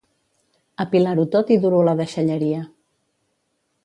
Apilar-ho tot i dur-ho a la deixalleria